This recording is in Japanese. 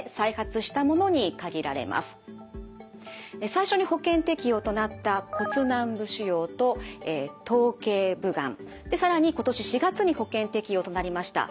最初に保険適用となった骨軟部腫瘍と頭頸部がん更に今年４月に保険適用となりました